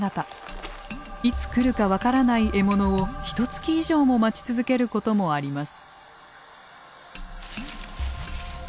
いつ来るか分からない獲物をひとつき以上も待ち続けることもあります。